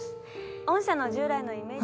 御社の従来のイメージ。